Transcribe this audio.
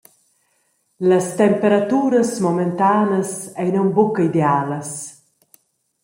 Las temperaturas momentanas ein aunc buca idealas.